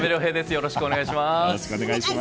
よろしくお願いします！